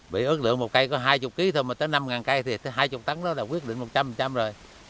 bị ước lượng một cây có hai mươi kg thôi mà tới năm cây thì hai mươi tấn đó là quyết định một trăm linh rồi